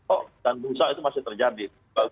oh dan berusaha itu masih terjadi